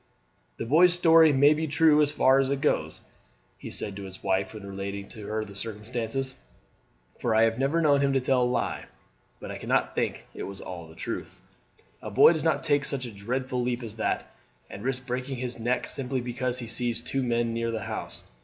"The boy's story may be true as far as it goes," he said to his wife when relating to her the circumstances, "for I have never known him to tell a lie; but I cannot think it was all the truth. A boy does not take such a dreadful leap as that, and risk breaking his neck, simply because he sees two men near the house.